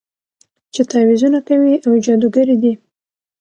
چې تعويذونه کوي او جادوګرې دي.